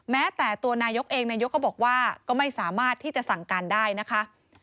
แม้แต่ตัวนายกเองนายกก็บอกว่าก็ไม่สามารถที่จะสั่งการได้นะคะ